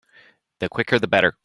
The quicker the better.